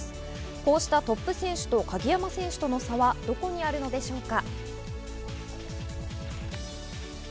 こうしたトップ選手と鍵山選手との差はどこにあるのでしょうか。